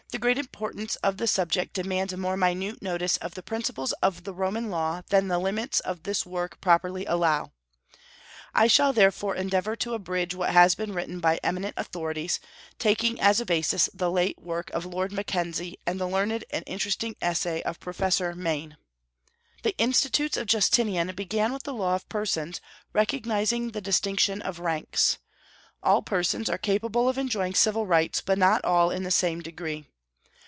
The great importance of the subject demands a more minute notice of the principles of the Roman law than the limits of this work properly allow. I shall therefore endeavor to abridge what has been written by eminent authorities, taking as a basis the late work of Lord Mackenzie and the learned and interesting essay of Professor Maine. The Institutes of Justinian began with the law of persons, recognizing the distinction of ranks. All persons are capable of enjoying civil rights, but not all in the same degree.